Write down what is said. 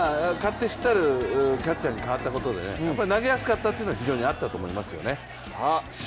勝手知ったるキャッチャーに代わったことで、投げやすかったというのはあったと思いますよね。